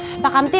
maaf pak kantip